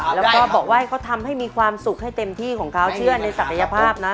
แล้วก็บอกว่าให้เขาทำให้มีความสุขให้เต็มที่ของเขาเชื่อในศักยภาพนะ